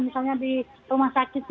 misalnya di rumah sakit